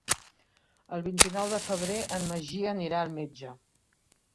El vint-i-nou de febrer en Magí anirà al metge.